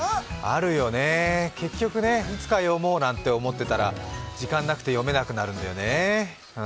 あるよね、結局ね、いつか読もうなんて思ってたら時間なくて読めなくなるんだよね。